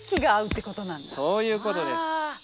そういうことです。